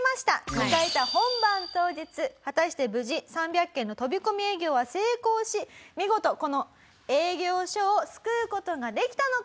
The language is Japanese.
迎えた本番当日果たして無事３００件の飛び込み営業は成功し見事この営業所を救う事ができたのか？